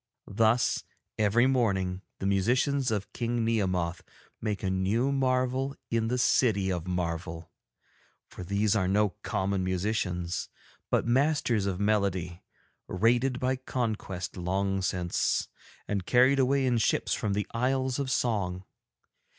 Thus, every morning, the musicians of King Nehemoth make a new marvel in the City of Marvel; for these are no common musicians, but masters of melody, raided by conquest long since, and carried away in ships from the Isles of Song.